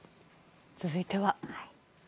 続いては。